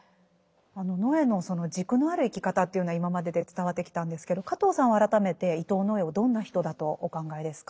あの野枝の軸のある生き方っていうのは今までで伝わってきたんですけど加藤さんは改めて伊藤野枝をどんな人だとお考えですか。